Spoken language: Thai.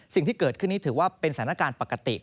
สิ่งที่เกิดขึ้นนี้ถือว่าเป็นสถานการณ์ปกติ